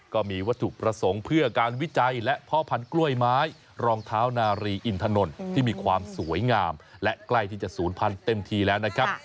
ก็มีวัตถุประสงค์เพื่อการวิจัยและพ่อพันธุ์กล้วยไม้รองเท้านารีอินถนนที่มีความสวยงามและใกล้ที่จะศูนย์พันธุ์เต็มทีแล้วนะครับ